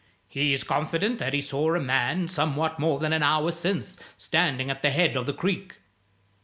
"He is confident that he saw a man, somewhat more than an hour since, standing at the head of the creek."